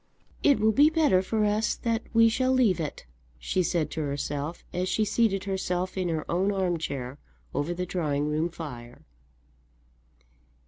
"It will be better for us that we shall leave it," she said to herself as she seated herself in her own arm chair over the drawing room fire.